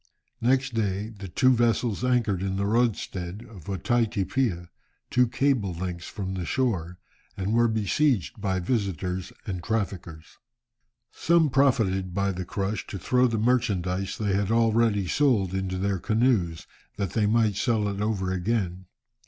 Next day, the two vessels anchored in the roadstead of Otaiti Piha, two cable lengths from the shore, and were besieged by visitors and traffickers. Some profited by the crush to throw the merchandize they had already sold into their canoes, that they might sell it over again.